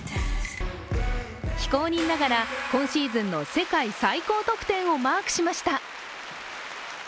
非公認ながら今シーズンの世界最高得点をマークしました。